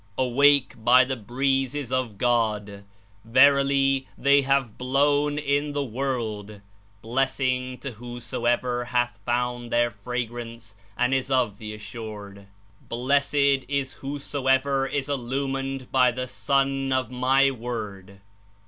Awake by the Breezes of God ! Ver ily, they have blown In the world ! Blessing to who soever hath found their fragrance, and Is of the as sured." "Blessed is whosoever Is Illumined by the Sun of My Word!"